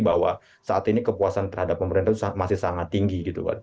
bahwa saat ini kepuasan terhadap pemerintah itu masih sangat tinggi gitu kan